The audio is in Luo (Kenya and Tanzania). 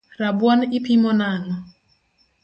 Rabuon ipimo nang’o?